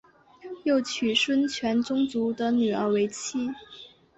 又娶孙权宗族的女儿为妻。